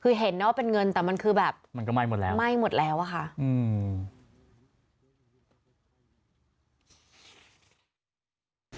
คือเห็นนะว่าเป็นเงินแต่มันคือแบบมันก็ไหม้หมดแล้วไหม้หมดแล้วอะค่ะอืม